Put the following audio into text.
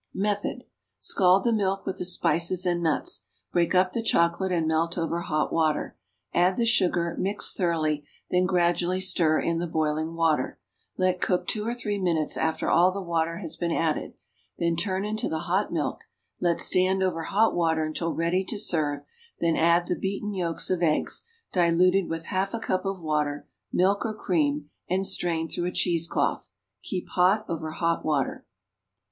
Method. Scald the milk with the spices and nuts. Break up the chocolate and melt over hot water; add the sugar, mix thoroughly, then gradually stir in the boiling water; let cook two or three minutes after all the water has been added, then turn into the hot milk; let stand over hot water until ready to serve, then add the beaten yolks of eggs, diluted with half a cup of water, milk or cream, and strain through a cheese cloth. Keep hot over hot water.